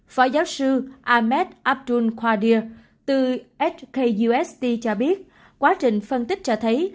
phó giáo sư ahmed abdul qadir từ hkust cho biết quá trình phân tích cho thấy